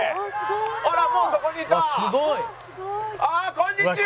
こんにちは！